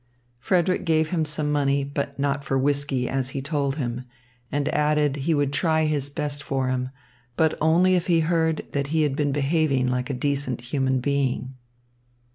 Frederick gave him some money, but not for whisky, as he told him, and added he would try his best for him, but only if he heard that he had been behaving like a decent human being.